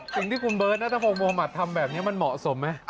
สิ่งที่คุณเบิร์ตนัทพงศ์มุมัติทำแบบนี้มันเหมาะสมไหม